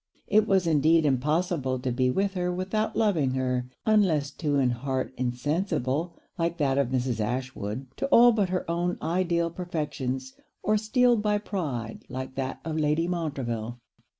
It was indeed impossible to be with her without loving her; unless to an heart insensible, like that of Mrs. Ashwood, to all but her own ideal perfections; or steeled by pride, like that of Lady Montreville.